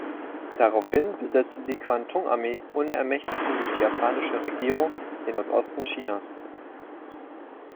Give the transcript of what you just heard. Daraufhin besetzte die Kwantung-Armee ohne Ermächtigung durch die japanische Regierung den Nordosten Chinas.